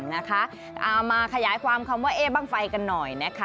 เอามาขยายความคำว่าเอ๊บ้างไฟกันหน่อยนะคะ